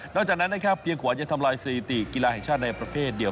จากนั้นนะครับเพียงกว่าจะทำลายสถิติกีฬาแห่งชาติในประเภทเดียว